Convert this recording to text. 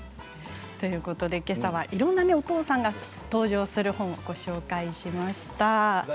けさはいろんなお父さんが登場する本をご紹介しました。